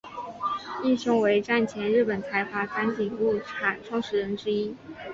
义兄为战前日本财阀三井物产创始人之一。